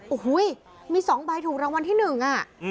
โอ้โหมี๒ใบถูกรางวัลที่๑อ่ะ